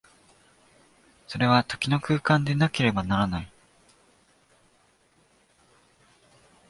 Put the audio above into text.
それは時の空間でなければならない。